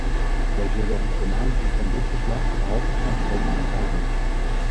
Wij zullen ons ten aanzien van dit verslag derhalve van stemming onthouden.